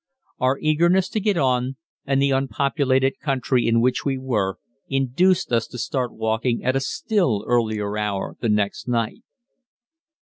Our eagerness to get on, and the unpopulated country in which we were, induced us to start walking at a still earlier hour the next night.